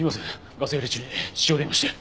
ガサ入れ中に私用電話して。